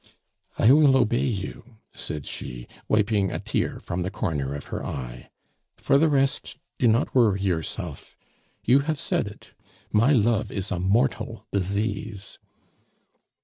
"I will obey you," said she, wiping a tear from the corner of her eye. "For the rest, do not worry yourself. You have said it; my love is a mortal disease."